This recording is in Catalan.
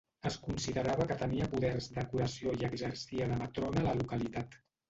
Es considerava que tenia poders de curació i exercia de matrona a la localitat.